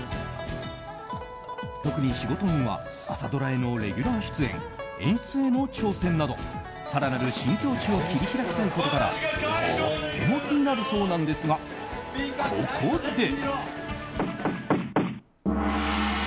特に仕事運は朝ドラへのレギュラー出演演出への挑戦など更なる新境地を切り開きたいことからとっても気になるそうなんですがここで。